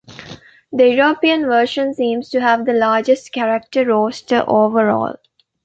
The European version seems to have the largest character roster overall.